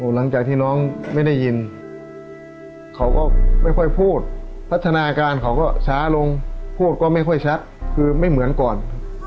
หลังจากที่น้องไม่ได้ยินเขาก็ไม่ค่อยพูดพัฒนาการเขาก็ช้าลงพูดก็ไม่ค่อยชัดคือไม่เหมือนก่อน